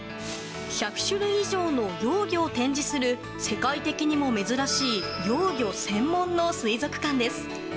１００種類以上の幼魚を展示する世界的にも珍しい幼魚専門の水族館です。